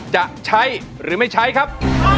จะใช้หรือไม่ใช้ครับ